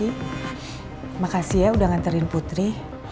terima kasih ya udah nganterin putri